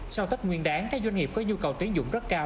sau tất nguyên đáng các doanh nghiệp có nhu cầu tiến dụng rất cao